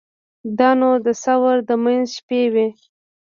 دا نو د ثور د منځ شپې وې.